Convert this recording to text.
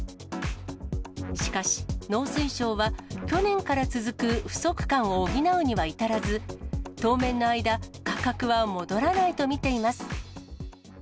しかし、農水省は、去年から続く不足感を補うには至らず、当面の間、価格は戻らないと見ています。